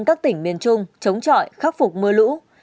các tỉnh miền trung chống trọi khắc phục mưa lũ